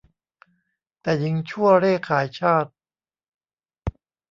แต่หญิงชั่วเร่ขายชาติ